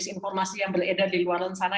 informasi yang beredar di luar sana